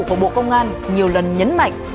của bộ công an nhiều lần nhấn mạnh